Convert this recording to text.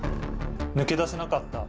抜け出せなかった。